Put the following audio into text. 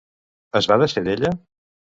Es va desfer d'ella?